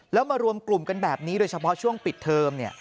แล้วมารวมกลุ่มกันแบบนี้โดยเฉพาะช่วงปิดเทอมเนี่ย